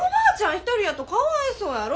一人やとかわいそうやろ。